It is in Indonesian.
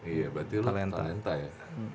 iya berarti lo talenta ya